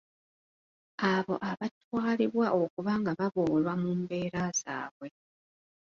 Abo abatwalibwa okuba nga baboolwa mu mbeera zaabwe.